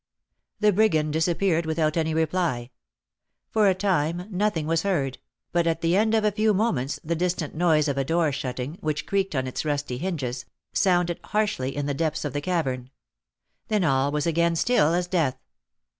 '" The brigand disappeared without any reply. For a time nothing was heard, but at the end of a few moments the distant noise of a door shutting, which creaked on its rusty hinges, sounded harshly in the depths of the cavern; then all was again still as death.